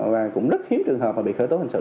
và cũng rất hiếm trường hợp bị khởi tố hình sự